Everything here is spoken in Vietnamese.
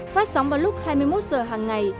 phát sóng vào lúc hai mươi một h hàng ngày